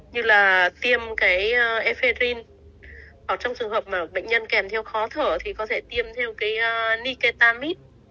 như là tiêm cái eferin hoặc trong trường hợp mà bệnh nhân kèm theo khó thở thì có thể tiêm theo cái nicetamid